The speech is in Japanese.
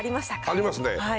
ありますね。